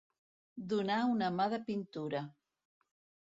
Donar una mà de pintura.